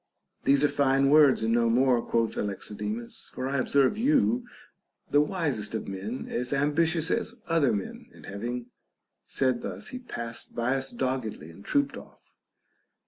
These are fine words, and no more, quoth Alexidemus, for I observe you, the wisest of men, as ambitious as other men ; and having said thus, he passed by us doggedly and 10 THE BANQUET OF THE SEVEN WISE MEN. trooped off.